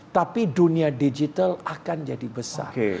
tapi dunia digital akan jadi besar